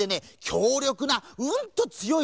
きょうりょくなうんとつよい